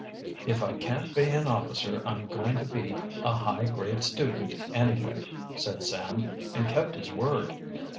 "If I can't be an officer I'm going to be a high grade student anyway," said Sam, and kept his word.